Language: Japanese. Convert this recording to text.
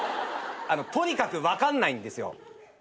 とにかく分かんないんですよ。